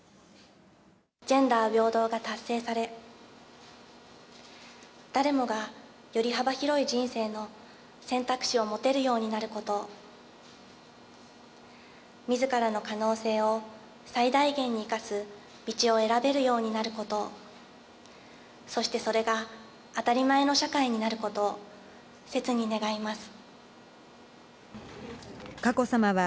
ジェンダー平等が達成され、誰もがより幅広い人生の選択肢を持てるようになることを、みずからの可能性を最大限に生かす道を選べるようになること、そしてそれが当たり前の社会になることをせつに願います。